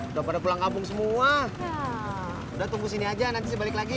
udah pada pulang kampung semua udah tunggu sini aja nanti saya balik lagi